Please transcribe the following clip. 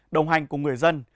đồng hành của người dân